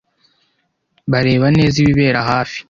Bareba neza ibibera hafi.